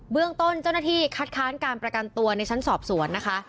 เรื่องต้นเจ้าหน้าที่คัดค้านการประกันตัวในชั้นสอบสวนนะคะ